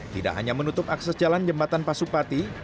tidak hanya menutup akses jalan jembatan pasupati